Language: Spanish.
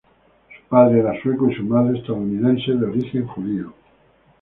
Su padre era sueco y su madre estadounidense de origen judío.